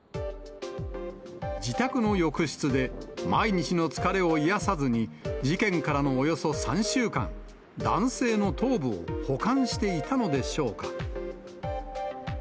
自宅の浴室で、毎日の疲れを癒やさずに、事件からのおよそ３週間、男性の頭部を保管していたのでしょうか。